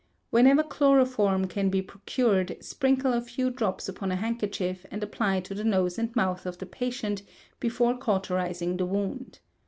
Whenever chloroform can be procured, sprinkle a few drops upon a handkerchief, and apply to the nose and mouth of the patient before cauterizing the wound.